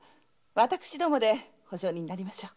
私どもで保証人になりましょう。